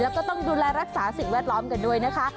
แล้วก็ต้องดูแลรักษาสิ่งแวดล้อมกันด้วยนะคะ